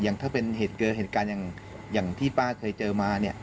ถ้าเป็นเหตุเกิดเหตุการณ์อย่างที่ป้าเคยเจอมาเนี่ย